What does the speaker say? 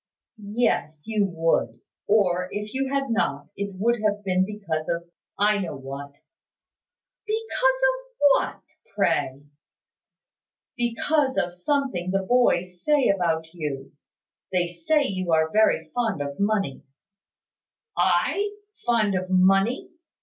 "Yes, you would. Or, if you had not, it would have been because of I know what." "Because of what, pray?" "Because of something the boys say about you. They say you are very fond of money." "I! Fond of money!